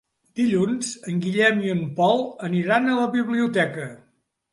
Dilluns en Guillem i en Pol aniran a la biblioteca.